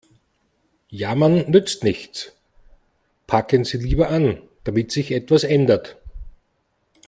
Jammern nützt nichts, packen Sie lieber an, damit sich etwas ändert.